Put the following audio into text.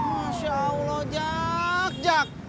masya allah jak